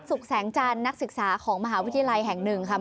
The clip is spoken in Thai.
แสงจันทร์นักศึกษาของมหาวิทยาลัยแห่งหนึ่งค่ะ